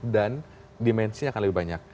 dan dimensi akan lebih banyak